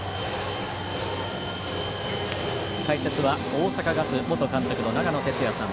解説は大阪ガス元監督の長野哲也さん。